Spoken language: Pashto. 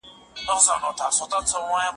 هفتمېوه د سپرلي دم ته